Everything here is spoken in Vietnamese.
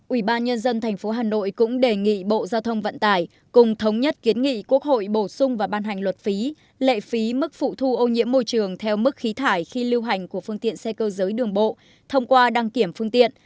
ủy ban nhân dân tp hà nội cũng đề nghị bộ giao thông vận tải cùng thống nhất kiến nghị quốc hội bổ sung và ban hành luật phí lệ phí mức phụ thu ô nhiễm môi trường theo mức khí thải khi lưu hành của phương tiện xe cơ giới đường bộ thông qua đăng kiểm phương tiện